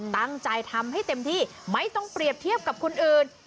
ตั้งใจทำให้เต็มที่ไม่ต้องเปรียบเทียบกับคนอื่น